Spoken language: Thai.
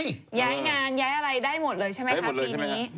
ย้ายงานย้ายอะไรได้หมดเลยใช่ไหมคะปีนี้